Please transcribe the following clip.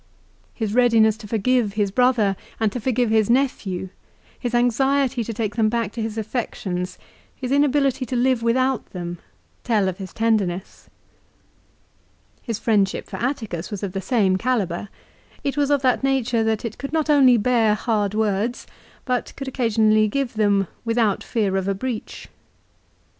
His readiness to forgive his brother and to forgive his nephew, his anxiety to take them back to his affections, his inability to live without them, tell of his tenderness. His friendship for Atticus was of the same calibre. It was of that nature that it could not only bear hard words but could occasionally give them without fear of a breach.